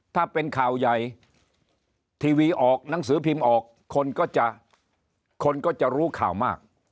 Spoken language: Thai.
ถ้าเป็นข่าวใหญ่ทีวีออกหนังสือพิมพ์ออกคนก็จะคนก็จะรู้ข่าวมาก